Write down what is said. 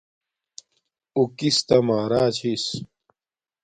اُو کس تا مارا چھس